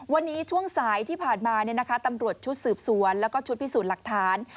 วันนี้ช่วงสายที่ผ่านมาตำรวจชุดสืบสวนแล้วก็ชุดพิสูจน์หลักฐาน